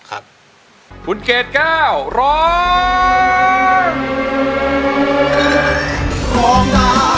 คุณเกดแก้วร้อง